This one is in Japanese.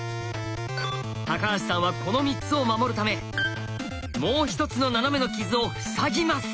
橋さんはこの３つを守るためもう一つのナナメの傷を塞ぎます。